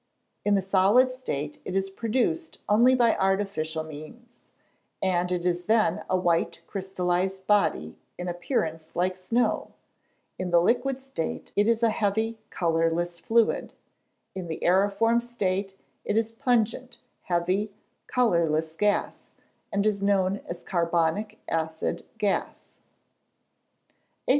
In the solid state it is produced only by artificial means, and it is then a white crystallised body, in appearance like snow; in the liquid state it is a heavy colourless fluid; in the æriform state it is a pungent, heavy, colourless gas, and is known as carbonic acid gas. 801.